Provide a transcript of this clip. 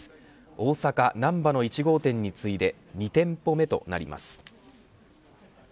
大阪なんばの１号店に次いで２店舗目となります。